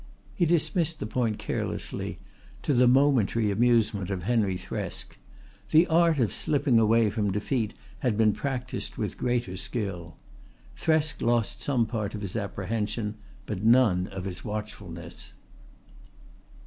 He dismissed the point carelessly, to the momentary amusement of Henry Thresk. The art of slipping away from defeat had been practised with greater skill. Thresk lost some part of his apprehension but none of his watchfulness.